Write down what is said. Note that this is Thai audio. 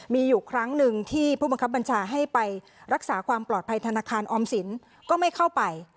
มีอยู่ครั้งหนึ่งที่ผู้บังคับบัญชาให้ไปรักษาความปลอดภัยธนาคารออมสินก็ไม่เข้าไป